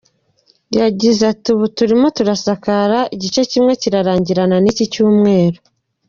Yagize ati “ubu turimo turasakara, igice kimwe kirarangirana n’iki cyumweru.